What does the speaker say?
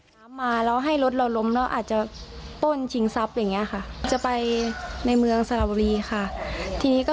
แต่ว่าก็คือตั้งหลักได้ก็คือหนีค่ะ